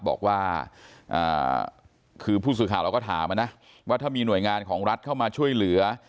บอกว่าคือผู้สื่อข่าวเราก็ถามนะว่าถ้ามีหน่วยงานของรัฐเข้ามาช่วยเหลือ